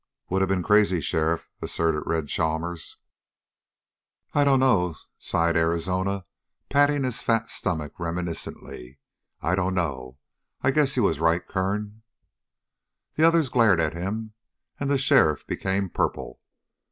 "Would have been crazy, sheriff," asserted Red Chalmers. "I dunno," sighed Arizona, patting his fat stomach reminiscently. "I dunno. I guess you was right, Kern." The others glared at him, and the sheriff became purple.